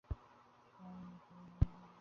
তাহা হইলে সুভদ্রাহরণ হইল কী করিয়া।